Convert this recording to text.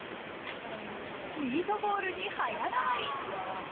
ミートボールに早変わり。